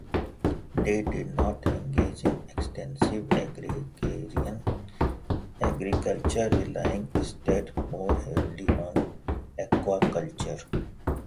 They did not engage in extensive agrarian agriculture, relying instead more heavily on aquaculture.